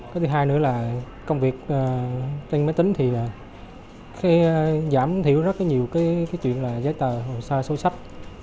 cái thứ hai nữa là công việc tên máy tính thì giảm thiểu rất nhiều cái chuyện giấy tờ hồ sa sâu sách